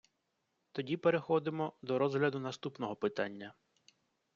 Тоді переходимо до розгляду наступного питання!